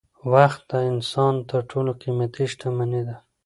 وخت د انسان تر ټولو قیمتي شتمني ده